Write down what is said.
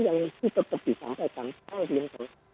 yang itu tetap disampaikan